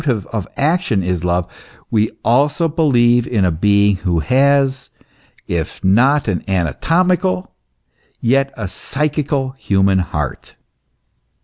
55 of action is love: we also believe in a being, who lias, if not an anatomical, yet a psychical human heart.